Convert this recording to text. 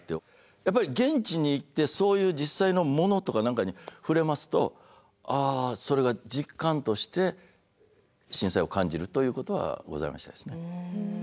やっぱり現地に行ってそういう実際のものとか何かに触れますとああそれが実感として震災を感じるということはございましたですね。